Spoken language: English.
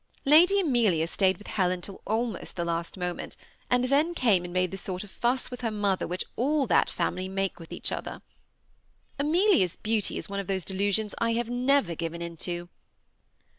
Lady Amelia stayed with Helen till almost the last moment, and then came and made the sort of fuss with her mother which all that family make with each other. Amelia's beauty is one of those delusions I have never given in to.